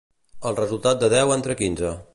El resultat de deu entre quinze.